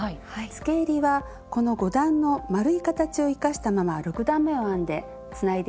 つけえりはこの５段の丸い形を生かしたまま６段めを編んでつないでいきます。